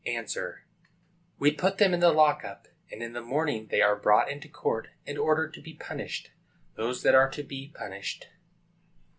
A. We put them in the lock up, and in the morning they are brought into court and ordered to be punished,—those that are to be punished.